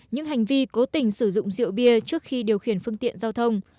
những hành vi cố tình sử dụng rượu bia trước khi điều khiển phương tiện giao thông